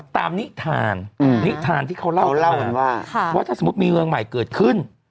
นิทานนิทานที่เขาเล่าว่าถ้าสมมุติมีเมืองใหม่เกิดขึ้น